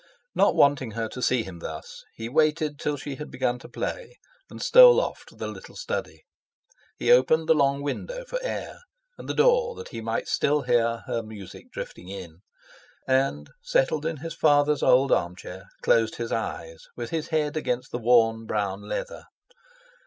Not wanting her to see him thus, he waited till she had begun to play, and stole off to the little study. He opened the long window for air, and the door, that he might still hear her music drifting in; and, settled in his father's old armchair, closed his eyes, with his head against the worn brown leather.